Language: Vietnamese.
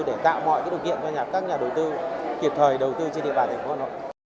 để tạo mọi điều kiện cho các nhà đầu tư kịp thời đầu tư trên địa bàn thành phố hà nội